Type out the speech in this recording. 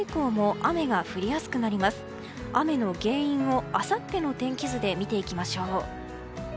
雨の原因をあさっての天気図で見ていきましょう。